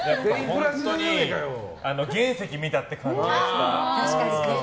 本当に原石見たって感じがします。